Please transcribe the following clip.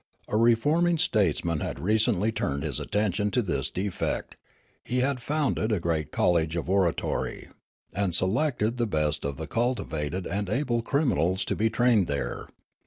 A reforming statesman had recently turned his atten tion to this defect ; he had founded a great college of oratory, and selected the best of the cultivated and able criminals to be trained there.